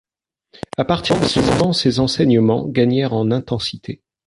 À partir de ce moment, ses enseignements gagnèrent en intensité.